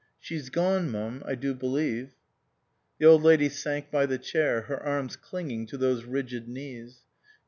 " She's gone, m'm, I do believe." The Old Lady sank by the chair, her arms clinging to those rigid knees.